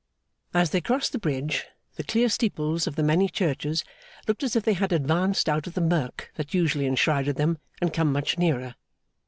As they crossed the bridge, the clear steeples of the many churches looked as if they had advanced out of the murk that usually enshrouded them, and come much nearer.